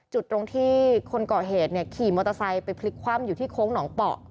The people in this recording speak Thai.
ตรงที่คนก่อเหตุขี่มอเตอร์ไซค์ไปพลิกคว่ำอยู่ที่โค้งหนองเปาะ